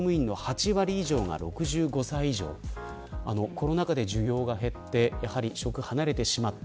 コロナ禍で需要が減って職を離れてしまった。